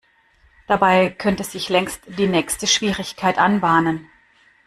Dabei könnte sich längst die nächste Schwierigkeit anbahnen.